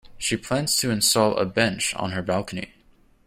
She plans to install a bench on her balcony.